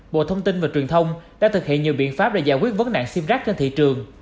bộ thông tin và truyền thông đã thực hiện nhiều biện pháp để giải quyết vấn nạn sim rác trên thị trường